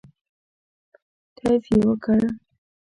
کیف یې وکړ.